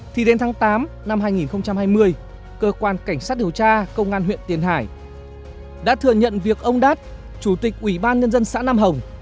thì đến tháng tám năm hai nghìn hai mươi cơ quan cảnh sát điều tra công an huyện tiền hải đã thừa nhận việc ông đát chủ tịch ủy ban nhân dân xã nam hồng